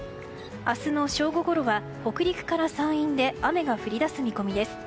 明日の正午ごろは北陸から山陰で雨が降り出す見込みです。